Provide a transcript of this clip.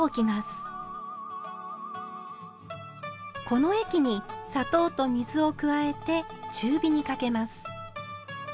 この液に砂糖と水を加えて中火にかけます。